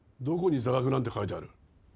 どこに座学なんて書いてある？